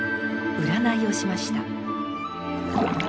占いをしました。